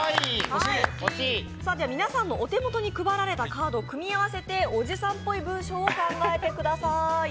皆さんのお手元に配られたカードを組み合わせておじさんっぽい文章を考えてください。